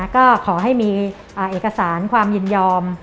ก็ขอให้มีเอกสารความยินยอม